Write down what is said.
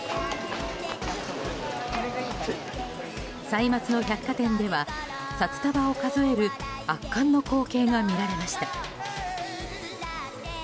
歳末の百貨店では札束を数える圧巻の光景が見られました。